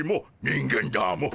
人間だモ。